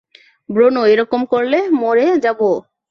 Bruno, এরকম করলে মরে যাবে ও!